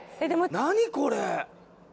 何これ。